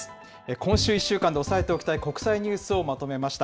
今週１週間で押さえておきたい国際ニュースをまとめました。